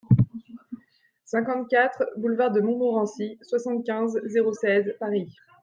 cinquante-quatre bD DE MONTMORENCY, soixante-quinze, zéro seize, Paris